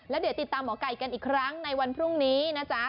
แล้วเดี๋ยวติดตามหมอไก่กันอีกครั้งในวันพรุ่งนี้นะจ๊ะ